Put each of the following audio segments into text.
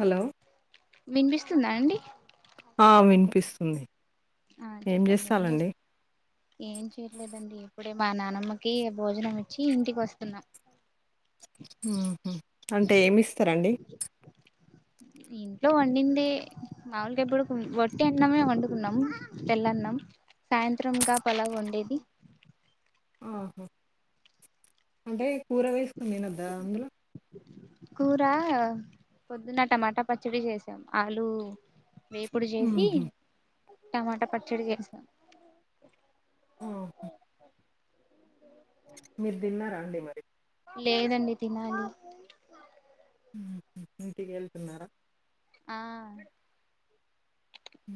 Hello వినిపిస్తుందా అండి. ఆ వినిపిస్తుంది ఆ చెప్పండి ఏం చేస్తు ఏం చేయట్లేదండి ఇప్పుడు డే మా నానమ్మకి భోజనం ఇచ్చి ఇంటికి వస్తున్నాం హ్మ్ హు అంటే ఏమి ఇస్తారండి ఇంట్లో వండింది మాములుగా ఇప్పుడు వట్టి అన్నమే వండుకున్నాము తెల్లన్నం సాయంత్రంగా పలావ్ వండేది [inaudible] ఆహా అంటే కూర వేసుకుంది తినద్దా అందులో కూర పొద్దున్న టమాటా పచ్చడి చేసాం ఆలు వేపుడు చేసి ఊహు. టమాటా పచ్చడి చేస ఆహ మీరు తిన్నారా అండి మరి లేదండి తినాలి హ్మ్ హు ఇంటికి వెళ్తున్నారా ఆ ఊ.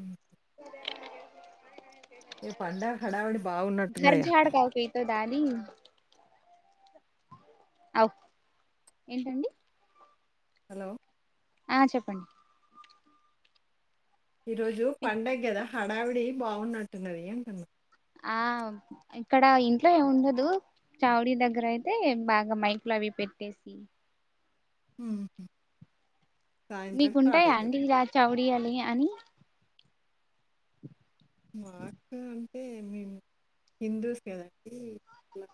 ఏ పండగ హడావిడి [inaudible] బాగున్నట్టున్నదిగా గర్ఝాడ కావుకితో దానీ అవు ఏంటండి హలో ఆ చెప్పండి ఈ రోజు పండగ గద హడావిడి బావున్నట్టున్నది అంటున్నా ఆ ఇక్కడ ఇంట్లో ఏముండదు చావుడీ దగ్గర అయితే బాగా మైక్లు అవి పెట్టేసి ఉమ్ హు మీకుంటాయా అండి ఇలా చౌడియాలి అని మాకు అంటే మేము హిందూస్ కదండి ఇలా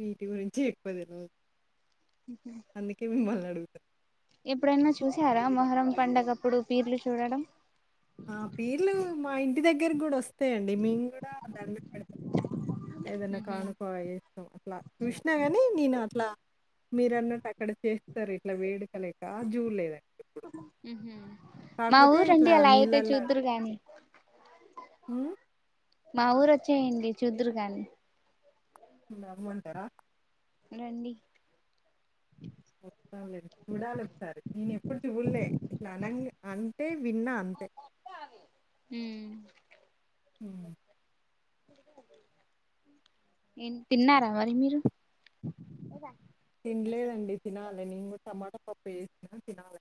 వీటి గురించి ఎక్కువ తెల్వదు అందుకే మిమ్మల్ని అడుగుతున్న ఎప్పుడైనా చూసారా మొహర్రం పండగప్పుడు పీర్లు చూడడం ఆ పీర్లు మా ఇంటి దగ్గరకి కూడా వస్తాయండి మేము కూడా దండపెడతాం ఏదైనా ఉహు కానుకో ఇస్తాం అట్లా చూసినా గాని నేను అట్లా మీరు అన్నట్టు అక్కడ చేస్తారు ఇట్లా వేడుక లేక అది జూడలేదండి హ్మ్మ్ హు మా కాకపోతే ఇట్లా ఊరండి అలా అయితే చూద్దురు గాని మ్ మా ఊరు వచ్చేయండి చూద్దురు కానీ ఆ రమ్మంటార రండి వస్తాంలేండి. చూడాలొకసారి. నేనెప్పుడు విన్న అంతే ఉమ్ ఉమ్ ఏం తిన్నారా మరి మీరు తినలేదండి తినాలి నేను కూడా టమాటా పప్పు చేసినా తినాలి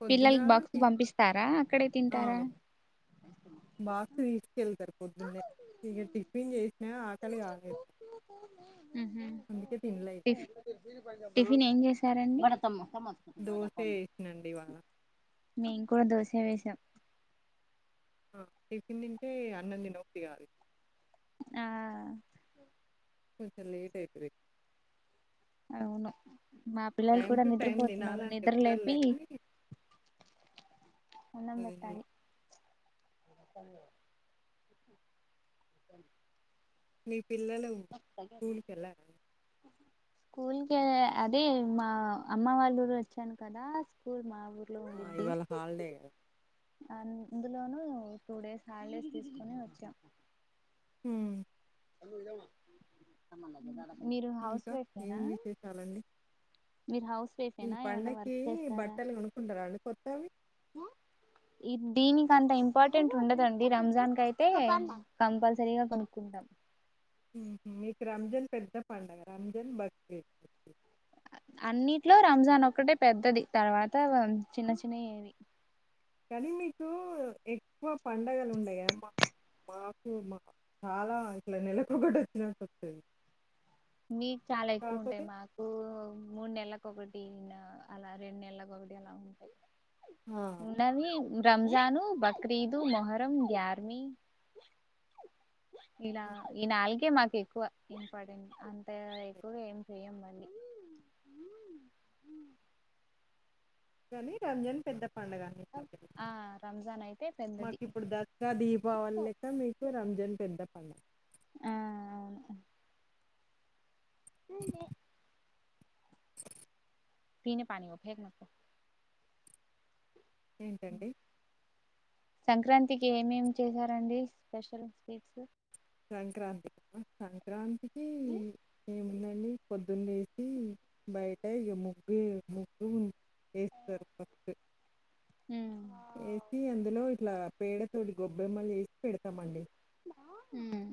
పొద్దున పిల్లలకి బాక్స్ టి పంపిస్తారా అక్కడే ఆ! తింటారా బాక్స్ తీసు పొద్దున్నే ఇక టిఫిన్ చేసినా ఆకలి కాలేదు హ్మ్ హు టిఫ్ టిఫిన్ ఏం చేశారండి మాచకుందదా దోసే పన్న ఏసినండి ఇవాళ. మేం కూడా దోసే వేసాం ఆ! టిఫిన్ తింటే అన్నం తిన బుద్ది కాదు ఆ కొంచెం లేట్ అయితది అవును మా పిల్లలు టైమ్ కూడా టు టైమ్ నిద్రపోతున్నారు తినాలని నిద్ర లేపి చెప్తారులే కానీ అన్నం అట్లా తినలే. బెట్టాలి అ [unintelligible] మీ పిల్లలు స్కూల్కి వెళ్ళార స్కూల్ క అదే మా అమ్మ వాళ్ళు ఊరు వచ్చాను కదా స్కూల్ మా ఊర్లో ఆ ఉండిద్ది ఇవాళ హాలిడే కదా అందులోను టూ డేస్ హాలిడేస్ తీసుకుని వచ్చాం హ మీరు హౌస్ ఇంకా ఏం వైఫేనా విశేషాలండి? మీరు హౌస్ ఈ వైఫేనా ఏమన్నా పండకి వర్క్ చేస్తారా బట్టలు కొనుకుంటారా అండి కొత్తవి దీనికి అంత ఇంపార్టెంట్ ఉండదండి రంజాన్ కయితే కంపల్సరీగా కొనుక్కుంటాం మీకు రంజాన్ పెద్ద పండగ రంజాన్ బక్రీద్ అన్నిట్లో రంజాన్ ఒక్కటే పెద్దది తర్వాత చిన్న చిన్నయే అవి కానీ మీకు ఎక్కువ పండుగలు ఉండయి కద మాకు మాకు మా చాలా ఇట్లా నెలకొక్కటి వచ్చినటు వత్తది మీకు చాలా ఎక్కువ ఉంటాయి మాకు మూడు నెలలకు ఒకటి టీన్ అలా రెండు నెలలకు ఒకటి అలా ఉంటాయి ఆ! ఉన్నవి రంజాను బక్రీదు మొహరం గ్యర్మీ ఇలా ఈ నాలుగే మాకు ఎక్కువ ఇంపార్టెంట్ అంతే ఎక్కువగా ఏం చెయం మళ్ళీ కానీ రంజాన్ పెద్ద పండుగ ఇట్లా ఆ రంజాన్ అయితే పెద్దది మాకు ఇప్పుడు దసరా దీపావళి లెక్క మీకు రంజాన్ పెద్ద పండగ ఆ అవును అ పీనే పాని ఫేక్ నకొ ఏంటండి సంక్రాంతికి ఏమేమి చేశారండి స్పెషల్ స్వీట్స్ సంక్రాంతిక సంక్రాంతికి ఏేమున్నా పొద్దున్న లేసి బయట ఇక ముగ్గు ముగ్గు వేస్తారు ఫస్ట్ ఉమ్ వేసి అందులో ఇట్లా పేడ తోటి గొబ్బెమ్మలు చేసి పెడతమండి ఉమ్.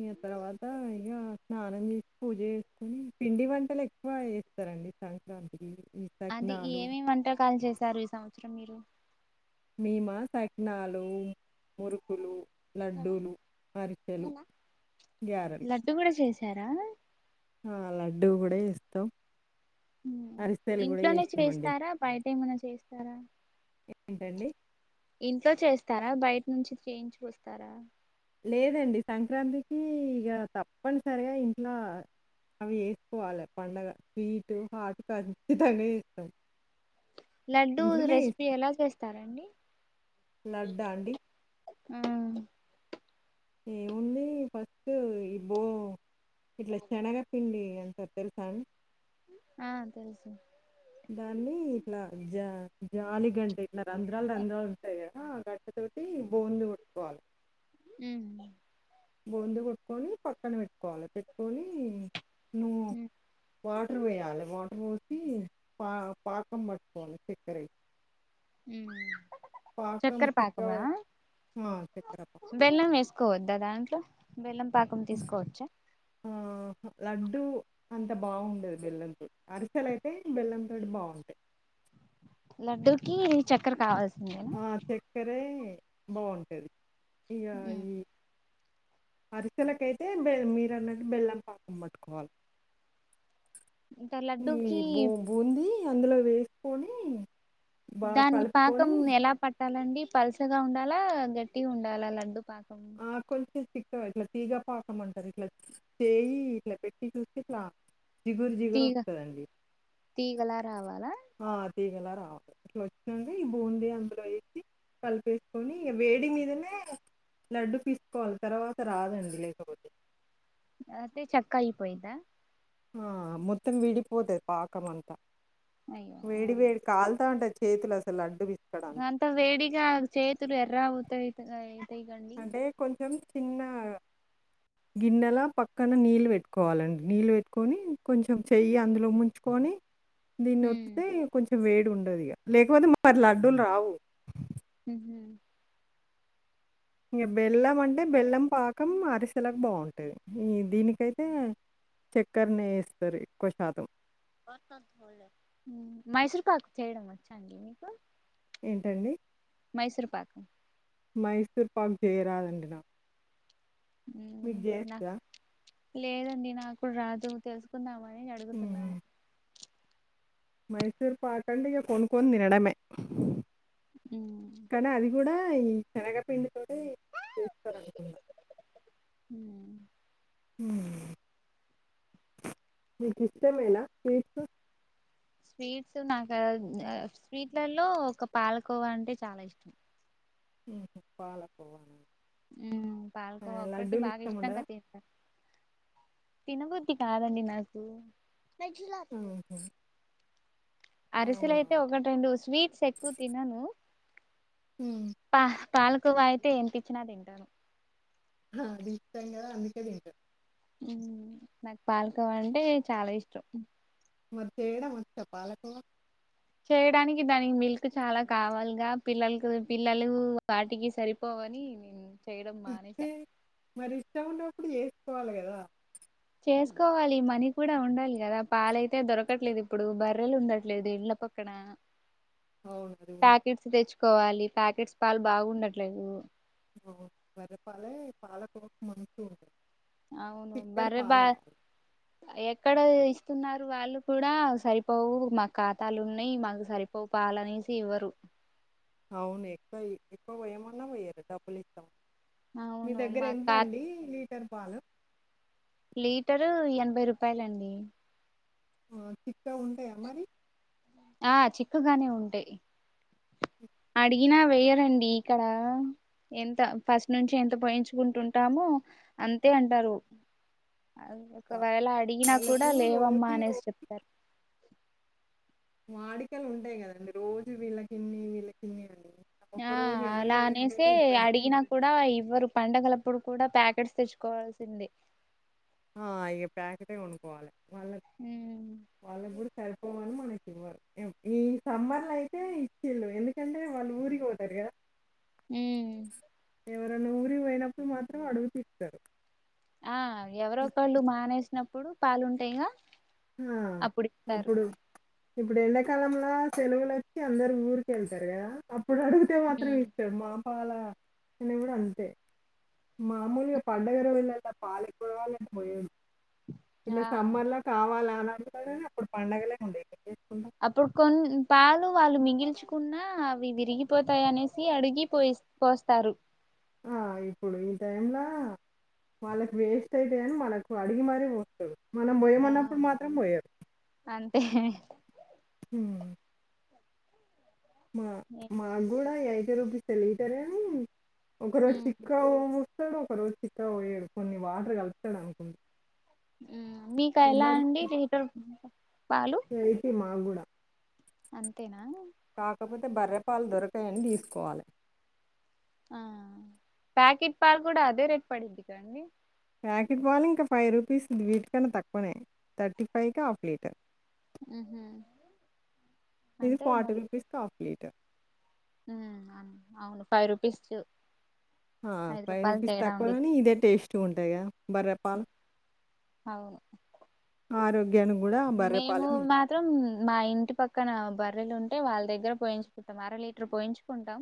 ఇక తర్వాత ఇక స్నానం చేసి పూజ చేసుకొని పిండి వంటలు ఎక్కువ చేేస్తారండి సంక్రాంతికి ఈ అది సకినాలు ఏమేమి వంటకాలు చేశారు ఈ సంవత్సరం మీరు మేమా సకినాలు మురుకులు లడ్డూలు అరిసెలు గ్యారెలు సార ఆ లడ్డూ కూడా చేస్తాం ఉ అరిసెలు కూడా ఇంట్లోనే చేసినామండి చేస్తారా బయట ఏమైనా చేస్తారా ఏంటండి ఇంట్లో చేస్తారా బయట నుంచి చేయించి కొస్తారా లేదండి సంక్రాంతికి ఇక తప్పనిసరిగా ఇంట్లో అవి వేసుకోవాలి పండగ స్వీటు హాట్ [unintelligible] కంచితనే వస్తాం లడ్డూ రెసిపీ ఎలా చేస్తారండి లడ్డా అండి ఆ ఏముంది ఫస్ట్ ఈ బో ఇట్లా శనగ పిండి తెలుసా అండి ఆ తెలుసు దాన్ని ఇట్లా జా జాలిగంటే ఇట్లా రంధ్రాలు రంధ్రాలు ఉంటాయి ఆ గడ్డ తోటి బోందు కొట్టుకోవాలి. బొందు కొట్టుకొని పక్కన పెట్టుకోవాలి పెట్టుకొని. నువ్వు వాటర్ వేయాలి వాటర్ పోసి. పా, పాకం పట్టుకోవాలే చక్కర వే. ఉ చక్కర చిక్క పాకమా ఆ, చక్కెర పాకం బెల్లం వేసుకోవద్దా దాంట్లో, బెల్లం పాకం తీసుకోవచ్చా? ఆ ఉ హు లడ్డు అంత బాగుండదు, బెల్లంంతో అరిసెలయితే బెల్లంంతోటి బాగుంటాయి. లడ్డూకి చక్కర కావాల్స్ ఆ చక్కరే బాగుంటది, ఇగా ఉమ్ ఈ. అరిసెలకైతే బెల్, మీరన్నట్టు బెల్లం పాకం పట్టుకోవాల. ఇంకా ఈ లడ్డూకి బూ, బూంది అందులో వేసుకొని. బాగా దానికి పాకం కలుపుకొని ఎలా? పట్టాలండి పల్సగా ఉండాలా, గట్టిగా ఉండాలా లడ్డు పాకం. చిక్కగా ఇట్లా తీగ పాకం అంటారు. ఇట్లా చేయి ఇట్లా, పెట్టి చూస్తే ఇట్లా. జిగురు జిగురు తీగ వస్తదండి. తీగలా రావాలా ఆ తీగేలా రావాలి ఇట్లా వచ్చినంటే ఈ బూంది అందులో వేసి. కలిపేసుకొని ఇగా వేడి మీదనే. లడ్డు పిసుకోవాలి తర్వాత రాదండి లేకపోతే. అతే చక్కయిపోయిందా? ఆ మొత్తం విడిపోతది పాకం అంతా అయ్యో ఆ వేడి, వేడి కాలుతా ఉంటది. చేతులసలు లడు [unintelligible] అంత వేడిగా చేతులు ఎర్ర అవుతాయి. [unintelligible] అంటే కొంచెం చిన్నగా [unintelligible] గిన్నెలా పక్కన నీళ్ళు పెట్టుకోవాలండి, నీళ్ళు పెట్టుకొని కొంచెం చెయ్యి అందులో ముంచుకొని. దీన్నోతితే కొంచెం వేడిగుండదిగా, లేకపోతే మారి లడ్డూలు రావు. ఉహు ఇంగ బెల్లం, అంటే బెల్లం పాకం అరిసెలాకి బావుంటది. ఈ దీనికైతే, చక్కర్నే ఎస్తారు ఎక్కువ శాతం. మైసూర్ పాకు చేయడం వచ్చాడి మీకు? ఏంటండి మైసూర్ పాకు మైసూర్ పాక్ చేయరాదండి నా. నాక్ లేదండి, నాకు రాదు తెలుసుకుందామ. ని అడుగుతున్నాను హ్మ్. మైసూర్ పాకంటే ఇగ కొనుక్కొని తినడమే. ఉమ్ కానీ అది కూడా ఈ శనగపిండి. హూ హు మీకు ఇష్టమేనా స్వీట్స్. స్వీట్స్ నాకు [inaudible] స్వీట్లలో, ఒక పాలకోవా అంటే చాలా ఇష్టం. [unintelligible] పాలకోవా నా ఉ పాలకోవా ఒక్కటి బాగా ఇష్టం ఉండదా ఇష్టంగా తింటా. తినబుద్ధి కాదండి నాకు నట్లాత్ర ఆహా. అవునా అరిసెలయితే ఒకటి, రెండు స్వీట్స్ ఎక్కువ తినను. హు పాలకోవ అయితే ఎంత ఇచ్చిన తింటాను. హ దిష్టంగాద అందుకే తింటార్. ఉ నాకు పాలకోవ అంటే చాలా ఇష్టం. మరి చేయడం వచ్చ పాలకోవా చేయడానికి దానికి మిల్క్ చాలా కావాలగా పిల్లలకి పిల్లలు వాటికి సరిపోవని చేయడం తే మానేసా మరి ఇష్టం ఉన్నప్పుడు చేసుకోవాలి కదా చేసుకోవాలి మనీ కూడా ఉండాలి కదా పాలయితే దొరకట్లేదు ఇప్పుడు బర్రెలు ఉండట్లేదు ఇంళ్ల పక్క నా అవును అండి కోవాలి పాకెట్స్ పలు బాగుండట్లేవు ఓ బర్రె పాలే పాల [unintelligible] అవును బర్రె బా ఎక్కడ తీస్ వున్నారు వాళ్ళు కూడా సరిపోవు మాకు ఖాతాలు ఉన్నాయి మాకు సరిపోవు పాలనేసి ఇవ్వరు అవును ఎక్కువ ఎక్కువ పోయమన్నా పోయ్యరు డబ్బులు ఇస్తాం మీ అవును దగ్గర మా ఎంత కా అండి లీటర్ పాలు లీటరు ఎనభై రూపాయలండి ఆ చిక్కా ఉంటాయా మరి ఆ చిక్కుగానే ఉంటాయి అడిగినా వేయరండి ఇక్కడ ఎంత ఫస్ట్ నుంచి ఎంత పోయించుకుంటుంటామో అంతే అంటారు అ వా- ఒకవేళ అడిగినా కూడా వాళ్ళకు లేవమ్మా రోజు అనేసి చెప్పారు వాడికలు ఉంటాయి కదండి రోజు వీళ్ళకిన్ని వీళ్ళకిన్ని అని ఆ ఒక్కరోజు అలా ఎవరికి అనేసి వేయకపోయినా ఇబ్బంది అడిగినా కూడా ఇవ్వరు పండగలప్పుడు కూడా ప్యాకెట్స్ తెచ్చుకోవాల్సింది ఆ ఇగ ప్యాకెటే కొనుక్కోవాలి వాళ్ళ ఉమ్ వాళ్ళప్పుడు చరిపోవాలని మన ఈ సమ్మర్లు అయితే ఇచ్చేళ్ళు ఎందుకంటే వాళ్ళు ఊరికి పోతారు కదా ఉమ్ ఎవరనా ఊరి పోయినప్పుడు మాత్రం అడుగుతీస్తారు ఆ ఎవరో ఒకళ్ళు మానేసినప్పుడు పాలుంటాయిగా ఆ! అప్పుడు ఇస్తారు అప్పుడు ఇప్పుడు ఎండాకాలంలో సెలవులు వచ్చి అందరు ఊరిక వెళ్తారు కదా ఆప్పుడు అడిగితే మాత్రమే ఉమ్, ఇత్తారు మా పాల ఇడ కూడా అంతే మామూలుగా పడగా రోజుల్ల పాల పోవాలని పోయరూ ఆ ఇలా సమ్మర్ లో కావాల అన్ననే అప్పుడు పండగలే ఉండే అప్పుడు కొం పాలు వాళ మిగిల్ చ్చుకున్నా అవి విరిగిపోతాయి అనేసి అడిగి పోయి పోస్తారు, ఆ ఇప్పుడు ఈ టైంలా వాళ్ళకి వేస్ట్ అయితే అని మనళకు అడిగి మారి పోతుంది మనం ఆ బోయమన్నప్పుడు మాత్రం బోయరు అంతే ఉమ్ మా మాకు కూడా యైటి రూపీస్కి లీటర్ అని ఒక రోజు ఉమ్, చిక్కాగా పోస్తాడు ఒక రోజు చిక్కాగ పోయాడు కొన్ని వాటర్ కలుతాడు అనుకుం మీకా ఎలా అండి లీటర్ పాలు యైటి మాకు కూడా అంతేనా కాకపోతే బర్రెపలు దొరకాయని తీసుకోవాలి ఆ ప్యాకెట్ పాల్ కూడా అదే రేట్ పడింది కాదండి ప్యాకెట్ పలు ఇంకా ఫైవ్ రూపీస్ వీటికన్నా తక్కువనే థర్టీ ఫైకే హాఫ్ లీటర్ ఉహుం. ఇది అంటే ఫార్టీ రుపీస్ [unintelligible] ఉమ్ ఆ అవును ఫైవ్ రూపీస్ ఆ ఐదు ఫైవ్ రూపాయలు రూపీస్ తేడా తక్కువ ఉండిద్ది కానీ ఇదే టేస్ట్ ఉంటాయి కద బర్రె పాలు అవును గూడా మేము బర్రెపాలే మంచిది. మాత్రం మా ఇంటి పక్కన బర్రెలు ఉం అంటే వాళ్ళ దగ్గర పోయించుకుంటాం అర లీటర్ పోయించుకుంటాం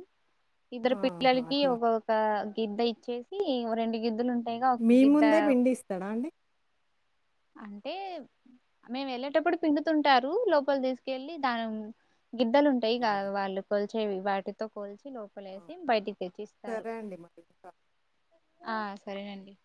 ఇద్దరు ఆహా! పిల్లలకి అట్లా. ఒక ఒక గిద్ద ఇచ్చేసి రెండు గిద్దలు ఉం టైగ ఒక మీ గిద్దా ముందే పిండిస్తాడా అండి? అంటే మేము వెళ్ళేటప్పుడు పిండుతుంటారు లోపలి తీసుకెళ్ళి దానిమ్ గిద్దలు ఉంటాయిగా అవును. వాళ్ళు కోల్చేవి వాటితో కోల్చ లోపలే ఆ! వేసి బయటికి తెచ్చిస్తారు సరే అండి మరి ఉంటా. ఆ సరేనండి